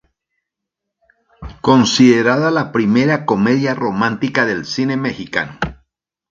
Considerada la primera comedia romántica del cine mexicano.